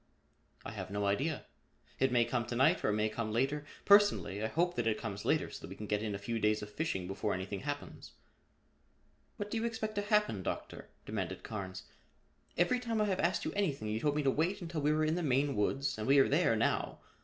"I have no idea. It may come to night or it may come later. Personally I hope that it comes later so that we can get in a few days of fishing before anything happens." "What do you expect to happen, Doctor?" demanded Carnes. "Every time I have asked you anything you told me to wait until we were in the Maine woods and we are there now.